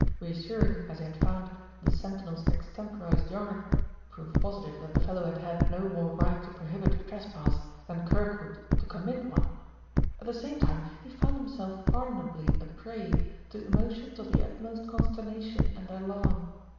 Reassuring as he had found the sentinel's extemporized yarn, proof positive that the fellow had had no more right to prohibit a trespass than Kirkwood to commit one, at the same time he found himself pardonably a prey to emotions of the utmost consternation and alarm.